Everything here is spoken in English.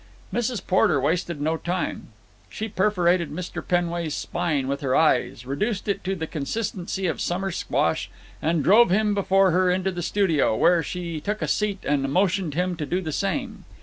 Mrs. Porter wasted no time. She perforated Mr. Penway's spine with her eyes, reduced it to the consistency of summer squash, and drove him before her into the studio, where she took a seat and motioned him to do the same.